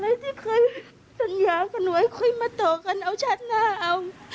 อะไรที่เคยสัญญากันไว้คุ้นมาต่อกันเอาชะนาเอา